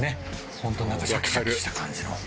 本当になんかシャキシャキした感じの。